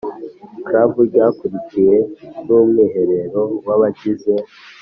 Club ryakurikiwe n Umwiherero w Abagize